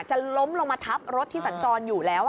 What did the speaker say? จะล้มลงมาทับรถที่สัญจรอยู่แล้ว